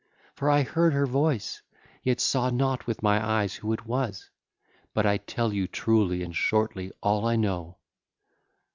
For I heard her voice, yet saw not with my eyes who it was. But I tell you truly and shortly all I know.